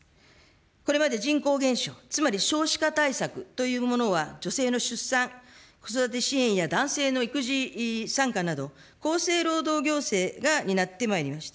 これまで人口減少、つまり少子化対策というものは、女性の出産、子育て支援や男性の育児参加など、厚生労働行政が担ってまいりました。